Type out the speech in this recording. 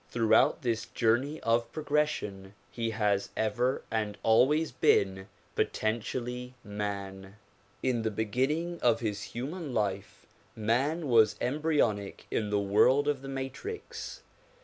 Throughout this journey of progression he has ever and always been potentially man. ^ In the beginning of his human life man was embryonic in the world of the matrix.